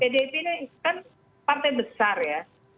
pdip ini kan partai besar ya